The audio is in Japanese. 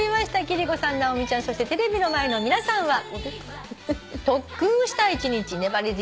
貴理子さん直美ちゃんそしてテレビの前の皆さんは。